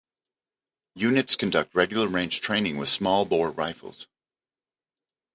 Units conduct regular range training with smallbore rifles.